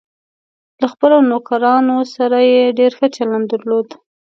له خپلو نوکرانو سره یې ډېر ښه چلند درلود.